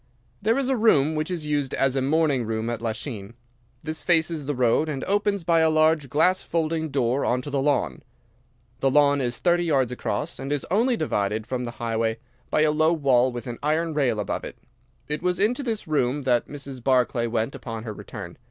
"There is a room which is used as a morning room at Lachine. This faces the road and opens by a large glass folding door on to the lawn. The lawn is thirty yards across, and is only divided from the highway by a low wall with an iron rail above it. It was into this room that Mrs. Barclay went upon her return.